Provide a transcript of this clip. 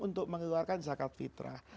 untuk mengeluarkan zakat fitrah